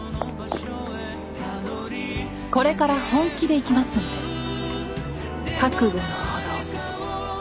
これから本気でいきますんで覚悟のほどを。